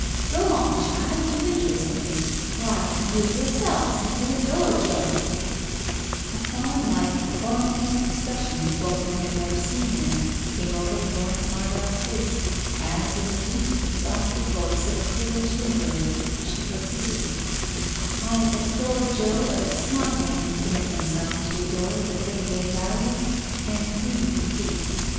"Go on, child, you interest me. Why, you yourself simply adore Joe 1 " A faun like, tormenting expression Miss Walton had never seen there, came over Florence Mardell's face, as, in the weak exhausted voice of a privileged invalid, she proceeded — "I adore Joe as smart women permit themselves to adore the thing they value and mean to keep.